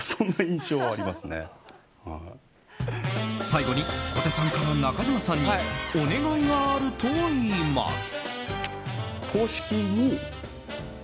最後に小手さんから中島さんにお願いがあるといいます。